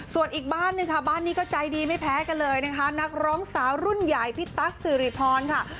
ส่วนอีกบ้านหนึ่งค่ะบ้านนี้ก็ใจดีไม่แพ้กันเลยนะคะนักร้องสาวรุ่นใหญ่พี่ตั๊กสิริพรค่ะ